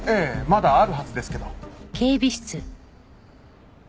まだあるはずですけど。